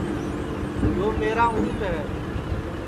یو میرا اُنٹ ہے